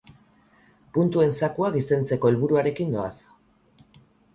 Puntuen zakua gizentzeko helburuarekin doaz.